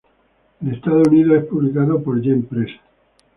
En Estados Unidos es publicado por Yen Press.